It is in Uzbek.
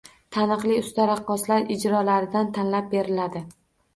Taniqli usta raqqosalar ijrolaridan tanlab beriladi.